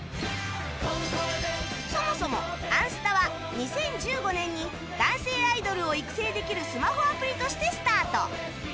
そもそも『あんスタ』は２０１５年に男性アイドルを育成できるスマホアプリとしてスタート